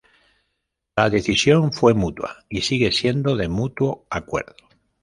La decisión fue mutua y sigue siendo de mutuo acuerdo.